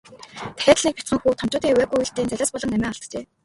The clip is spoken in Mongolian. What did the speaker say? Дахиад л нэгэн бяцхан хүү томчуудын увайгүй үйлдлийн золиос болон амиа алджээ.